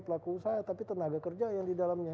pelaku usaha tapi tenaga kerja yang didalamnya